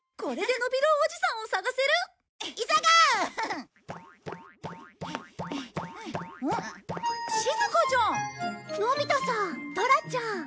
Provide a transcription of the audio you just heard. のび太さんドラちゃん。